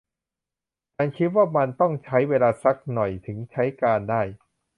ฉันคิดว่ามันต้องใช้เวลาซักหน่อยถึงใช้การได้